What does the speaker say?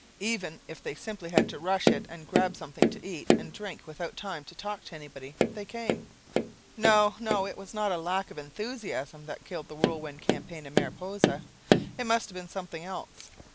Even if they had simply to rush it and grab something to eat and drink without time to talk to anybody, they came. No, no, it was not lack of enthusiasm that killed the Whirlwind Campaign in Mariposa. It must have been something else.